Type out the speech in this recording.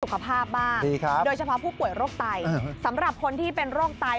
สุขภาพบ้างโดยเฉพาะผู้ป่วยโรคไตสำหรับคนที่เป็นโรคไต